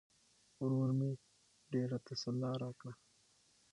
ورور مې ډېره تسلا راکړه.